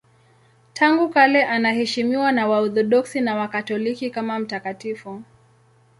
Tangu kale anaheshimiwa na Waorthodoksi na Wakatoliki kama mtakatifu.